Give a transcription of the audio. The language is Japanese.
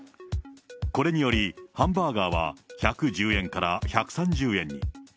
これにより、ハンバーガーは１１０円から１３０円に。